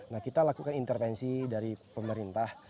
nah kita lakukan intervensi dari pemerintah